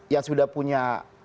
yang sudah punya